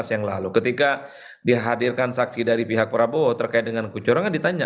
yang lalu ketika dihadirkan saksi dari pihak prabowo terkait dengan kecorangan ditanya